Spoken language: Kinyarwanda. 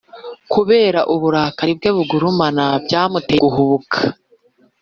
kubera uburakari bwe bugurumana, byamuteye guhubuka